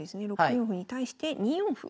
６四歩に対して２四歩。